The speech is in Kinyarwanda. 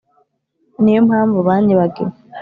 Ni yo mpamvu banyibagiwe